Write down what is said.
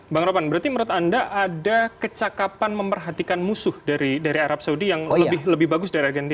bang ropan berarti menurut anda ada kecakapan memperhatikan musuh dari arab saudi yang lebih bagus dari argentina